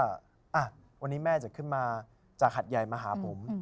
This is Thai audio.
อ่ะวันนี้แม่จะขึ้นมาจากหัดใหญ่มาหาผม